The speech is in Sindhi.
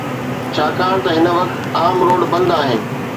ڇاڪاڻ ته هن وقت عام روڊ بند آهن.